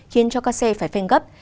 khiến cho các xe phải pheng gấp